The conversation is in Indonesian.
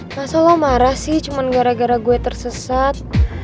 masalah lo marah sih cuma gara gara gue tersesat